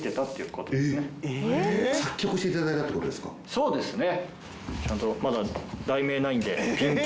そうですね。